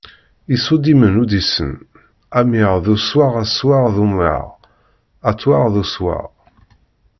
Isuddimen uddisen:amyaɣ d uswaɣ aswaɣ d umyaɣ, attwaɣ d uswaɣ.